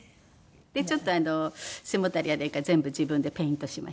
ちょっと背もたれや何かは全部自分でペイントしました。